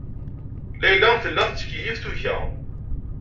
Layla tella tettkeyyif tuga.